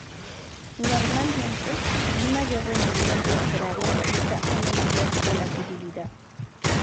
Normalmente, un mayor rendimiento esperado implica una mayor volatilidad.